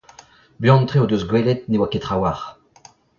Buan-tre o deus gwelet ne oa ket trawalc'h.